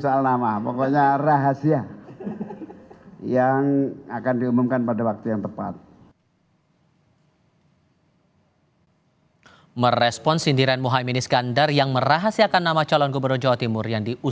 siapa saja termasuk pak mohaimin akan mengumumkan kapan gimana siapa namanya hanya beliau